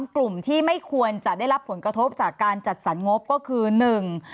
กลุ่มที่ไม่ควรจะได้รับผลกระทบจากการจัดสรรงบก็คือหนึ่ง